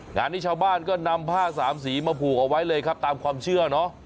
งานนี้ชาวบ้านก็นำผ้าสามสีมาผูกเอาไว้เลยครับตามความเชื่อเนอะ